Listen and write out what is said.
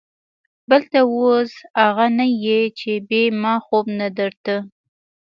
بل ته اوس اغه نه يې چې بې ما خوب نه درته.